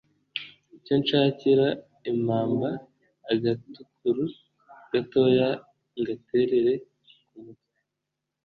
cyo nshakira impammba agatukuru gatoya ngaterere ku mutwe